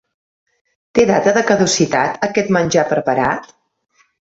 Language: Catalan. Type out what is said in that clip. Té data de caducitat aquest menjar preparat?